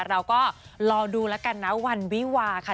เราก็รอดูแล้วกันนะวันวิวาค่ะ